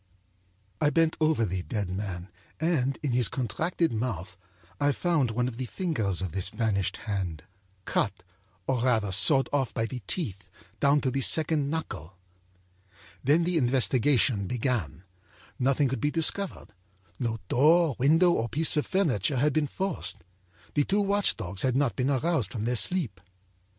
âI bent over the dead man and, in his contracted mouth, I found one of the fingers of this vanished hand, cutâor rather sawed off by the teeth down to the second knuckle. âThen the investigation began. Nothing could be discovered. No door, window or piece of furniture had been forced. The two watch dogs had not been aroused from their sleep.